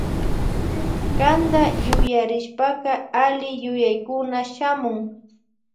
Kanta yuyarishpaka alli yuyaykuna shamun.